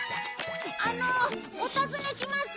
あのお尋ねします。